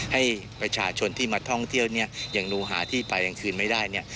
ให้ประชาชนที่มาท่องเที่ยวเนี่ยยังดูหาที่ไปกลางคืนไม่ได้เนี่ย